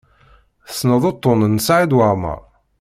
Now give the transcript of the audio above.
Tessneḍ uṭṭun n Saɛid Waɛmaṛ?